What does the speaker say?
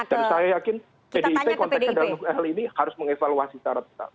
dan saya yakin pdip kontek kendali nukel ini harus mengevaluasi secara total